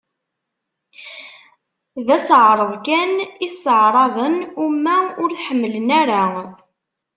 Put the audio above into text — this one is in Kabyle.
D aseɛreḍ kan i sseɛraḍen, uma ur t-ḥemmlen ara.